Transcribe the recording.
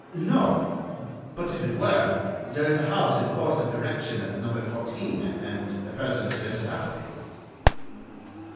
"No; but if it were, there is a house in course of erection at number 14, and a person could enter that way."